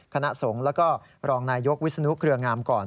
คณะสงฆ์แล้วก็รองนายยกวิศนุเครืองามก่อน